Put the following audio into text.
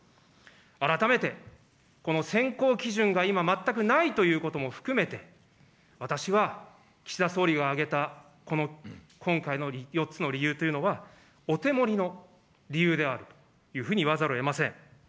改めて、この選考基準が今、全くないということも、含めて、私は岸田総理が挙げた、この今回の４つの理由というのは、お手盛りの理由であるというふうに言わざるをえません。